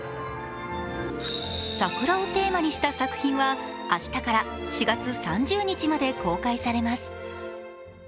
桜をテーマにした作品は明日から４月３０日まで公開されます。